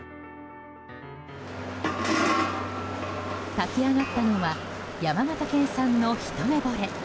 炊き上がったのは山形県産のひとめぼれ。